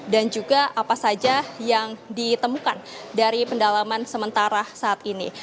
dan juga apa saja yang ditemukan dari pendalaman sementara saat ini